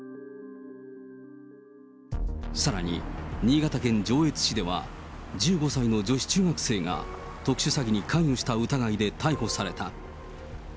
さらに新潟県上越市では１５歳の女子中学生が特殊詐欺に関与した疑いで逮捕された。